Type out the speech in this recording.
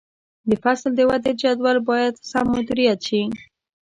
د فصل د ودې جدول باید سم مدیریت شي.